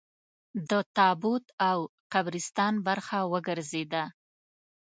د تابوت او قبرستان برخه وګرځېده.